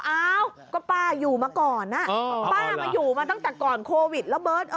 อ้าวก็ป้าอยู่มาก่อนป้ามาอยู่มาตั้งแต่ก่อนโควิดแล้วเบิร์ต